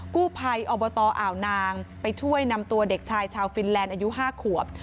กู้ภัยอบตอ่าวนางไปช่วยนำตัวเด็กชายชาวฟินแลนด์อายุ๕ขวบ